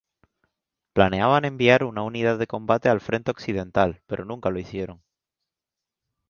Planeaban enviar una unidad de combate al frente occidental, pero nunca lo hicieron.